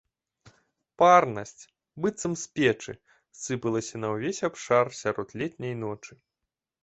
Парнасць, быццам з печы, сыпалася на ўвесь абшар сярод летняй ночы.